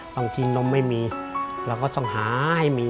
บางทีนมไม่มีเราก็ต้องหาให้มี